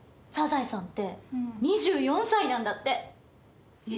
サザエさんって２４歳なんだって。